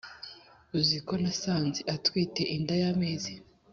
uziko nasanze atwite inda yamezi